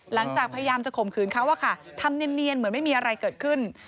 หลังจากพยายามจะข่มขืนเขาอะค่ะทำเนียนเหมือนไม่มีอะไรเกิดขึ้น